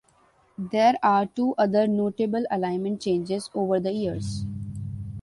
There are two other notable alignment changes over the years.